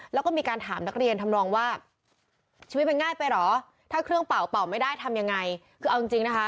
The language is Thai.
แล้วก็มีการถามนักเรียนทำนองว่าชีวิตมันง่ายไปเหรอถ้าเครื่องเป่าเป่าไม่ได้ทำยังไงคือเอาจริงจริงนะคะ